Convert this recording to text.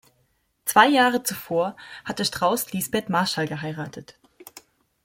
Zwei Jahre zuvor hatte Strauß Liesbeth Marschall geheiratet.